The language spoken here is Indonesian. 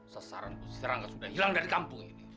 sesaran bos serangga sudah hilang dari kampung ini